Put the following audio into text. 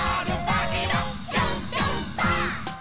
「ピョンピョンパ！！」